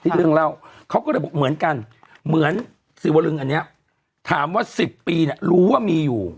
เรื่องเล่าเขาก็เลยบอกเหมือนกันเหมือนสิวลึงอันนี้ถามว่า๑๐ปีเนี่ยรู้ว่ามีอยู่